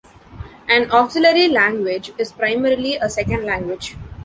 An auxiliary language is primarily a second language.